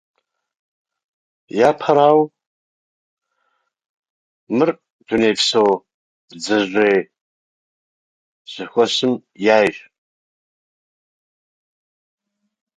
Во-первых, это состояние мирового рыбного хозяйства.